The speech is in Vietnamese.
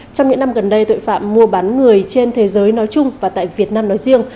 trong những năm gần đây tội phạm mua bán người trên thế giới nói chung và tại việt nam nói riêng